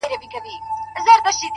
کندهار دی! که کجرات دی! که اعجاز دی!